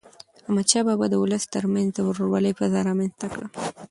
احمدشاه بابا د ولس تر منځ د ورورولی فضا رامنځته کړه.